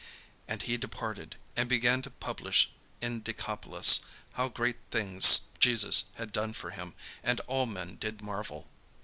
And he departed, and began to publish in Decapolis how great things Jesus had done for him: and all men did marvel.